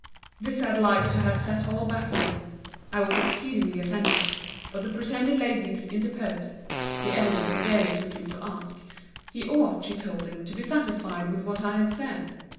This had like to have set all back again. I was exceedingly offended. But the pretended ladies interposed. The elder severely took him to task. He ought, she told him, to be satisfied with what I had said.